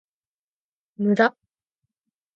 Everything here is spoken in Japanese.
無駄